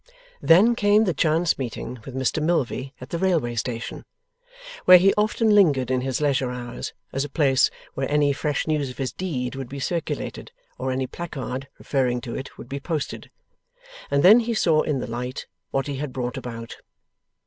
Then came the chance meeting with Mr Milvey at the railway station (where he often lingered in his leisure hours, as a place where any fresh news of his deed would be circulated, or any placard referring to it would be posted), and then he saw in the light what he had brought about.